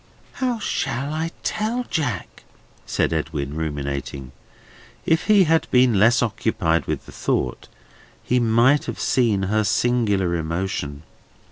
"How shall I tell Jack?" said Edwin, ruminating. If he had been less occupied with the thought, he must have seen her singular emotion.